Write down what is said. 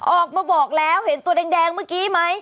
ออกมาบอกแล้วเห็นตัวแดงเมื่อกี้ไหม